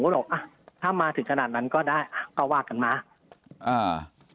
ก็บอกอ่ะถ้ามาถึงขนาดนั้นก็ได้ก็ว่ากันมาอ่า